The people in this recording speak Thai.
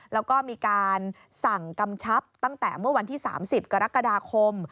แล้วก็มีการสั่งกำชับตั้งแต่เมื่อวันที่๓๐กรกฎาคม